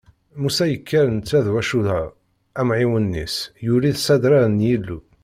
Musa yekker netta d Yacuɛa, amɛiwen-is, yuli s adrar n Yillu.